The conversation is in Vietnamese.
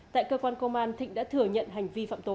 tại cơ quan công an thịnh đã thừa nhận hành vi phạm tội